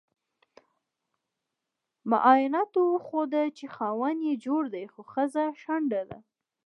معایناتو وخوده چې خاوند یي جوړ دې خو خځه شنډه ده